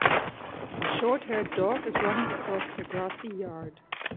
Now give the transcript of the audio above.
The shorthaired dog is running across a grassy yard.